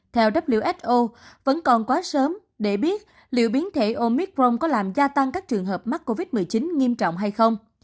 theo who vẫn còn quá sớm để biết liệu biến thể omicron có làm gia tăng các trường hợp mắc covid một mươi chín nghiêm trọng hay không